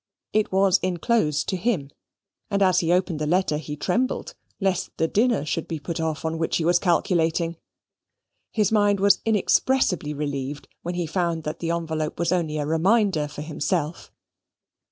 It was inclosed to him, and as he opened the letter he trembled lest the dinner should be put off on which he was calculating. His mind was inexpressibly relieved when he found that the envelope was only a reminder for himself.